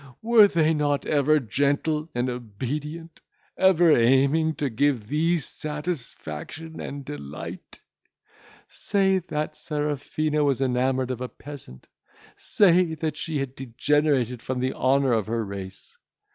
Were they not ever gentle and obedient, ever aiming to give thee satisfaction and delight? Say, that Serafina was enamoured of a peasant; say, that she had degenerated from the honour of her race.